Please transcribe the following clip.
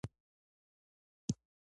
خپله چيغه د زمان پر منبر باندې اذانګه کړې ده.